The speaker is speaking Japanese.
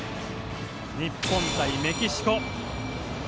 日本対メキシコ。